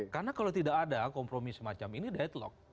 karena kalau tidak ada kompromis semacam ini deadlock